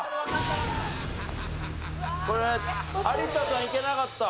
これ有田さんいけなかった？